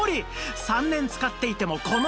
３年使っていてもこの実力！